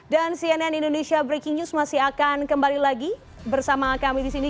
dan cnn indonesia breaking news masih akan kembali lagi bersama kami disini